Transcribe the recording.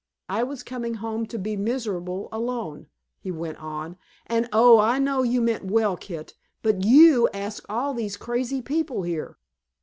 "I was coming home to be miserable alone," he went on, "and oh, I know you meant well, Kit; but YOU asked all these crazy people here."